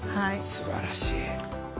すばらしい。